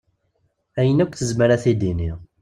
Ayen akk tezmer ad t-id-tini.